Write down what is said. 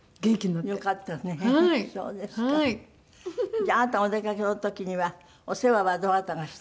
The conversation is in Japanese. じゃああなたがお出かけの時にはお世話はどなたがして？